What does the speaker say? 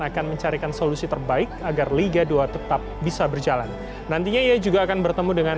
akan mencarikan solusi terbaik agar liga dua tetap bisa berjalan nantinya ia juga akan bertemu dengan